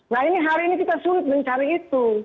nah ini hari ini kita sulit mencari itu